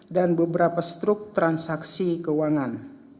dan beberapa struk transaksi keuangan